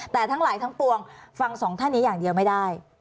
แต่ทั้งหลายทั้งปวงฟังสองท่านนี้อย่างเดียวไม่ได้